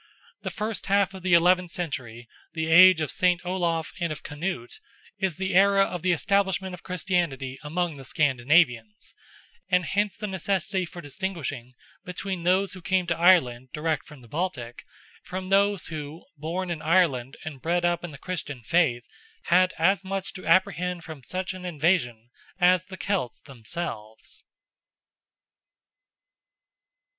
The first half of the eleventh century, the age of Saint Olaf and of Canute, is the era of the establishment of Christianity among the Scandinavians, and hence the necessity for distinguishing between those who came to Ireland, direct from the Baltic, from those who, born in Ireland and bred up in the Christian faith, had as much to apprehend from such an invasion, as the Celts themselves.